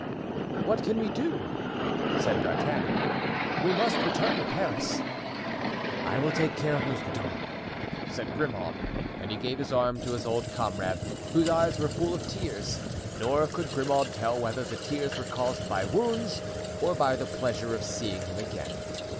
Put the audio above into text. "What can we do?" said D'Artagnan; "we must return to Paris." "I will take care of Mousqueton," said Grimaud; and he gave his arm to his old comrade, whose eyes were full of tears, nor could Grimaud tell whether the tears were caused by wounds or by the pleasure of seeing him again.